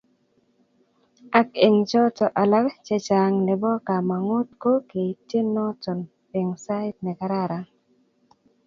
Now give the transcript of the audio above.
ak eng' choto alak chechang nebo kamangut ko keitchi noton eng sait ne kararan